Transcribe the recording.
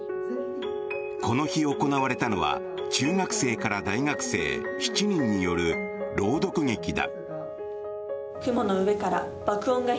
この日行われたのは中学生から大学生７人による朗読劇だ。